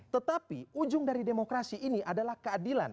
tetapi ujung dari demokrasi ini adalah keadilan